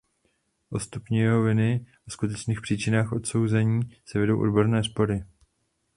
O stupni jeho viny a skutečných příčinách odsouzení se vedou odborné spory.